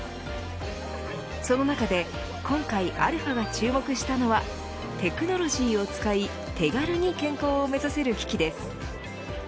その中で今回αが注目したのはテクノロジーを使い手軽に健康を目指せる機器です。